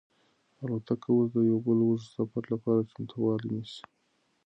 الوتکه اوس د یو بل اوږد سفر لپاره چمتووالی نیسي.